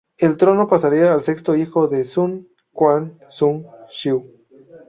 El trono pasaría al sexto hijo de Sun Quan, Sun Xiu.